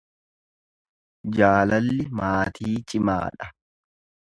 Jaalalli maatii cimaa dha.